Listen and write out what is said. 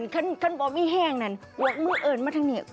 คันพบไม่แห้งนั่นบวะมือเอิญมาทั้งเนี่ย